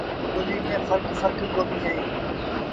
اسآݩ ريٚ ٽوليٚ ميݩ ڦرڪ ڦرڪ ڪوميݩ اوهيݩ۔